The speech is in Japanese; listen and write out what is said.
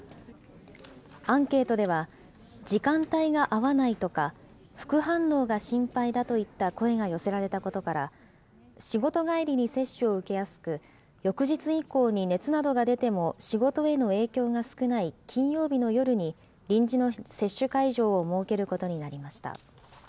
アンケートでは、時間帯が合わないとか、副反応が心配だといった声が寄せられたことから、仕事帰りに接種が受けやすく、翌日以降に熱などが出ても仕事への影響が少ない金曜日の夜に臨時の接種会場を設けることになりました。